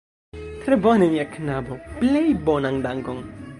Tre bone, mia knabo, plej bonan dankon!